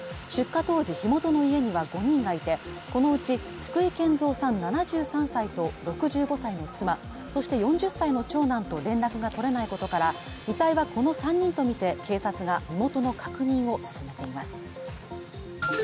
出火当時の火元の家には５人がいてこのうち福井憲三さん７３歳と６５歳の妻、そして４０歳の長男と連絡が取れないことから遺体はこの３人とみて警察が身元の確認を進めています。